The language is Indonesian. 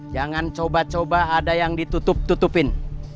jangan coba coba ada yang ditutup tutupin